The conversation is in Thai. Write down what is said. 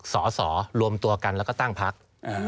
สอสอรวมตัวกันแล้วก็ตั้งพัก